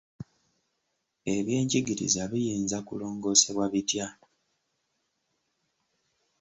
Ebyenjigiriza biyinza kulongoosebwa bitya?